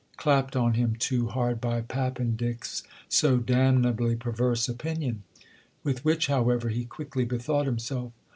—clapped on him too hard by Pappendick's so damnably perverse opinion." With which, however, he quickly bethought himself.